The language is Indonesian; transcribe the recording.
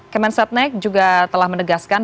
kemen setnek juga telah menegaskan